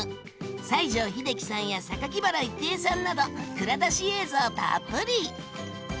西城秀樹さんや原郁恵さんなど蔵出し映像たっぷり！